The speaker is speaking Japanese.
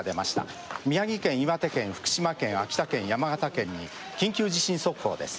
宮城県岩手県福島県秋田県山形県に緊急地震速報です。